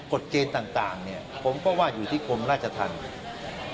กฎเกณฑ์ต่างเนี่ยผมก็ว่าอยู่ที่กรมราชธรรม